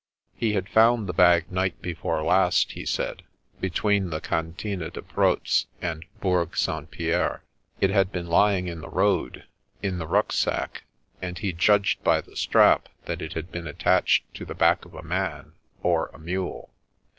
He had found the bag night before last, he said, between the Cantine de Proz and Bourg St. Pierre. It had been lying in the road, in the rucksack, and he judged by the strap that it had been attached to the back of a man, or a mule.